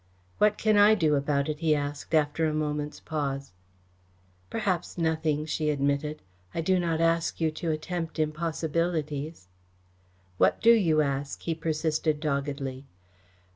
"What can I do about it?" he asked, after a moment's pause. "Perhaps nothing," she admitted. "I do not ask you to attempt impossibilities." "What do you ask?" he persisted doggedly.